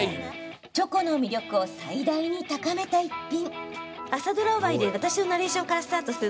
チョコの魅力を最大に高めた一品。